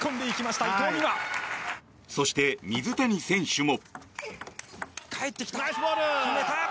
そして、水谷選手も。